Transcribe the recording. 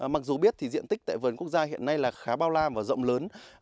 mặc dù biết diện tích tại vườn quốc gia hiện nay khá bao la và rộng lớn